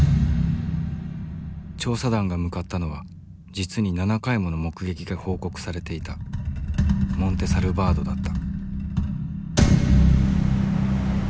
調査団が向かったのは実に７回もの目撃が報告されていたモンテ・サルバードだった。